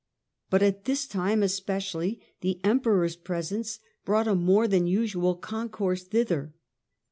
But at this time especially the EmperoPs presence brought a more than usual concourse thither.